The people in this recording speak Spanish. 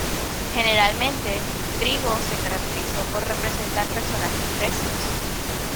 Generalmente, Trigo, se caracterizó por representar personajes recios.